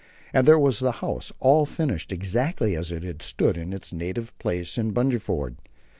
And there was the house, all finished, exactly as it had stood in its native place on Bundefjord.